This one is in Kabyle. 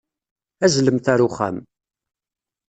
Azzlemt ɣer uxxam.